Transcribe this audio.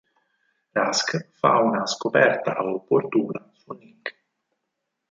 Rask fa una scoperta opportuna su Nick.